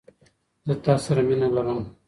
زه تاسره مینه لرم